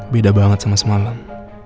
beda banget sama semalam